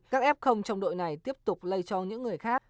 các f trong đội này tiếp tục lây cho những người khác